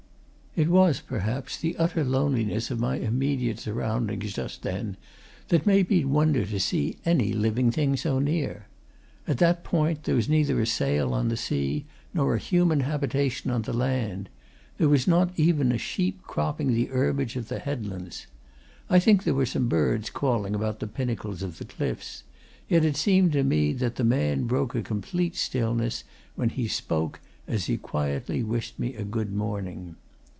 It was, perhaps, the utter loneliness of my immediate surroundings just then that made me wonder to see any living thing so near. At that point there was neither a sail on the sea, nor a human habitation on the land; there was not even a sheep cropping the herbage of the headlands. I think there were birds calling about the pinnacles of the cliffs yet it seemed to me that the man broke a complete stillness when he spoke, as he quietly wished me a good morning.